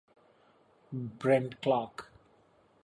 Brent Clark.